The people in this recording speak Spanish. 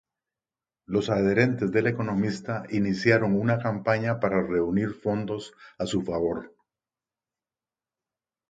Los adherentes del economista iniciaron una campaña para reunir fondos a su favor.